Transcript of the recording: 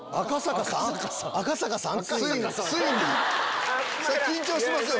ついに⁉緊張しますよ